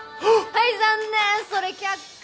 はい残念それ却下